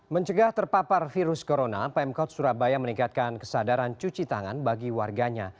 mencegah terpapar virus corona pemkot surabaya meningkatkan kesadaran cuci tangan bagi warganya